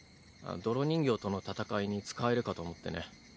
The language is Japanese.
泥人形との戦いに使えるかと思ってね。